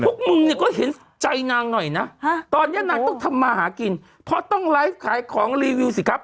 มุมเนี่ยก็เห็นใจนางหน่อยนะตอนนี้นางต้องทำมาหากินเพราะต้องไลฟ์ขายของรีวิวสิครับ